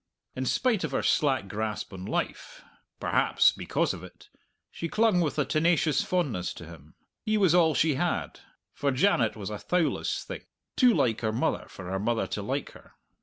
In spite of her slack grasp on life perhaps, because of it she clung with a tenacious fondness to him. He was all she had, for Janet was a thowless thing, too like her mother for her mother to like her.